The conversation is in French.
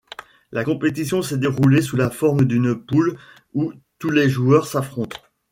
La compétition s'est déroulée sous la forme d'une poule où tous les joueurs s'affrontent.